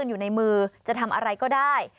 อยู่ในมือจะทำอะไรก็ได้